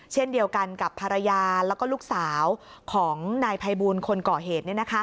เช่นเดียวกันกับภรรยาแล้วก็ลูกสาวของนายภัยบูลคนก่อเหตุ